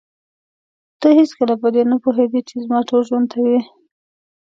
ته هېڅکله په دې نه پوهېدې چې زما ټول ژوند ته وې.